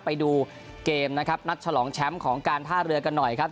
ไปดูเกมนะครับนัดฉลองแชมป์ของการท่าเรือกันหน่อยครับ